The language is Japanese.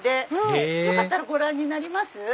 へぇよかったらご覧になります？